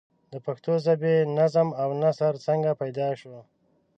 د پښتو ژبې نظم او نثر څنگه پيدا شو؟